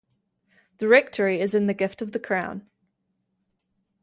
The rectory is in the gift of the crown.